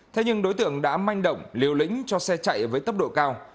thế nhưng đối tượng đã manh động liều lĩnh cho xe chạy với tốc độ cao